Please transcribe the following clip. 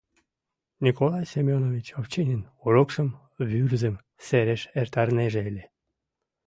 Николай Семёнович Овчинин урокшым Вӱрзым сереш эртарынеже ыле.